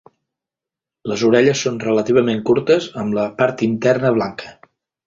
Les orelles són relativament curtes amb la part interna blanca.